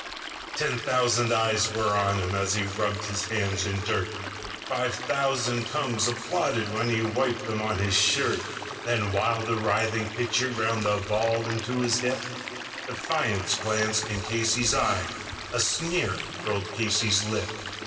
Ten thousand eyes were on him as he rubbed his hands with dirt, Five thousand tongues applauded when he wiped them on his shirt; Then, while the writhing pitcher ground the ball into his hip, Defiance glanced in Casey's eye, a sneer curled Casey's lip.